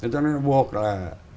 cho nên buộc là